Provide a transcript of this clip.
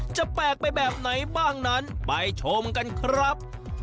จะแปลกไปแบบไหนบ้างนั้นไปชมกันครับ